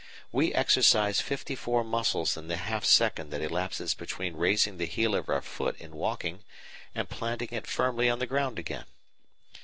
We exercise fifty four muscles in the half second that elapses between raising the heel of our foot in walking and planting it firmly on the ground again.